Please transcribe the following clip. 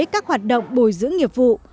các hoạt động bồi dưỡng nghiệp vụ